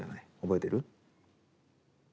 覚えてる？